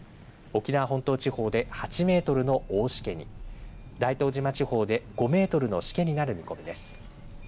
沖縄本島地方で８メートルの大しけに大東島地方で５メートルのしけになる見込みです。